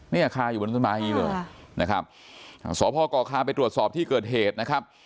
เนี่ยคาอยู่บนต้นไม้อย่างนี้เลยนะครับสพกคาไปตรวจสอบที่เกิดเหตุนะครับ